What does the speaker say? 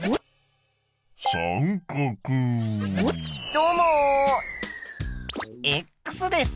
どうもです。